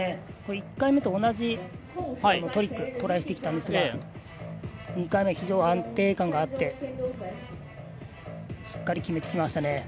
１回目と同じトリックトライしてきたんですが２回目、非常に安定感があってしっかり決めてきましたね。